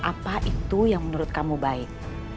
apa itu yang menurut kamu baik